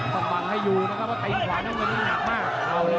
ต้องบังให้อยู่นะครับว่าใกล้ขวานวันนี้หนักมาก